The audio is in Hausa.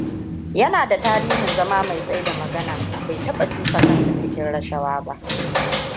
Yana da tarihin zama mai tsaida magana. Bai taba cusa kansa cikin rashawa ba.